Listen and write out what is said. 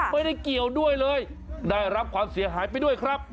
ไม่ได้เกี่ยวด้วยเลยได้รับความเสียหายไปด้วยครับ